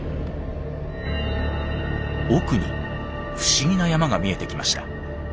奥に不思議な山が見えてきました。